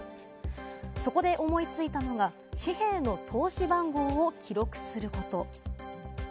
そこで思いついたのが紙幣の通し番号を記録すること。